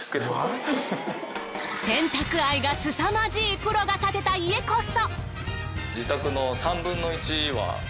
洗濯愛がすさまじいプロが建てた家こそ。